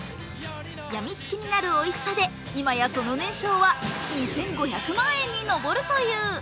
やみつきになるおいしさで、今やその年商は２５００万円に上るという。